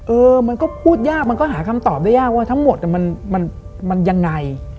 เออมันก็พูดยากมันก็หาคำตอบได้ยากว่าทั้งหมดมันยังไง